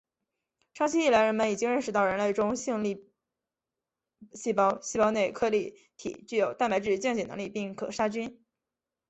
长期以来人们已经认识到人类中性粒细胞细胞内颗粒体具有蛋白质降解能力并可杀菌。